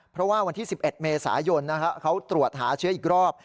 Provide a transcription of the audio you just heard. เพราะว่าวันที่๑๑เมษายนเขาตรวจหาเชื้ออีกรอบ